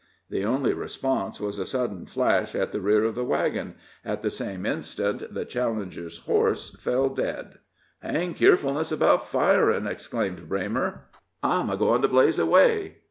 The only response was a sudden flash at the rear of the wagon; at the same instant the challenger's horse fell dead. "Hang keerfulness about firin'!" exclaimed Braymer. "I'm a goin' to blaze away."